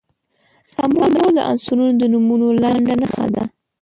سمبول د عنصرونو د نومونو لنډه نښه ده.